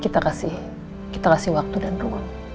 kita kasih kita kasih waktu dan ruang buat lu menenangkan diri